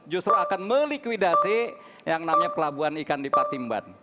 justru akan melikuidasi yang namanya pelabuhan ikan di patimban